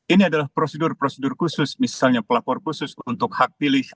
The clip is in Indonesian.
ini adalah prosedur prosedur khusus misalnya pelapor khusus untuk hak pilih